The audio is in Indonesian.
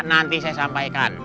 nanti saya sampaikan